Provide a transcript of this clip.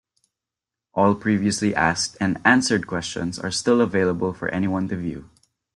All previously asked and answered questions are still available for anyone to view.